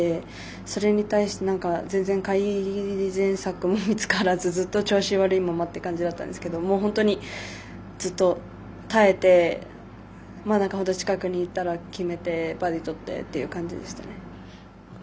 それに対して全然、改善策も見つからず、ずっと調子悪いままって感じだったんですが本当に、ずっと耐えて近くにいったら決めて、バーディーとってという感じでしたね。